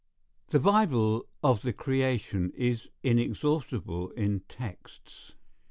The Bible of the creation is inexhaustible in texts.